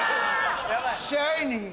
シャイニング。